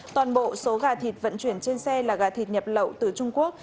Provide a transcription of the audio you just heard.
toàn bộ số gà thịt vận chuyển trên xe là gà thịt nhập lậu từ trung quốc